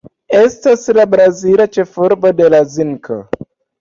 Estas la brazila ĉefurbo de la zinko.